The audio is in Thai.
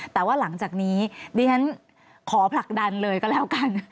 แต่ว่าหลังจากนี้ดิฉันขอผลักดันเลยก็แล้วกัน